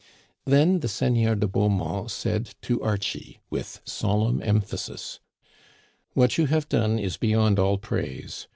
Then the Seigneur de Beaumont said to Archie, with solemn emphasis :" What you have done is beyond all praise.